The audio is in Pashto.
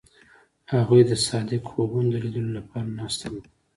هغوی د صادق خوبونو د لیدلو لپاره ناست هم وو.